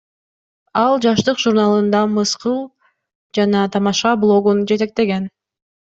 Ал Жаштык журналында мыскыл жана тамаша блогун жетектеген.